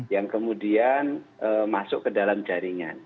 yang kemudian masuk ke dalam jaringan